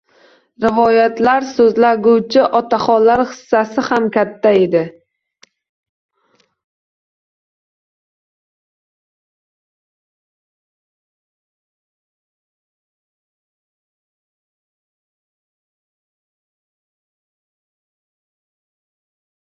Sotsiolistik ishchilar partiyalarining birlashmasidir.